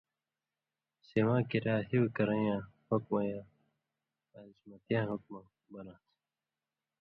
سیواں کِریا ”ہیُو کرَیں یاں حُکمہ یا عزیمتیاں حُکمہ“ بناں تُھو۔